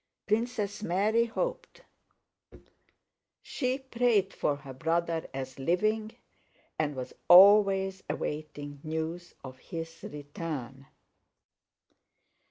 Princess Mary hoped. She prayed for her brother as living and was always awaiting news of his return.